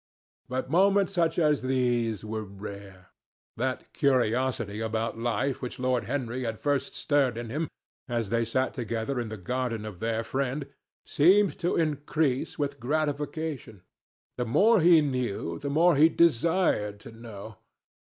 But moments such as these were rare. That curiosity about life which Lord Henry had first stirred in him, as they sat together in the garden of their friend, seemed to increase with gratification. The more he knew, the more he desired to know.